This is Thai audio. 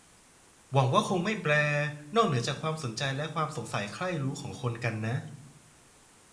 หวังว่าคงไม่แปล นอกเหนือจากความสนใจและสงสัยใคร่รู้ของคนกันนะ